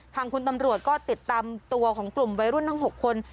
ทางคุณตำรวจก็ติดตามตัวของกลุ่มวัยรุ่นทั้ง๖คน